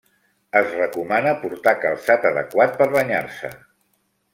Es recomana portar calçat adequat per banyar-se.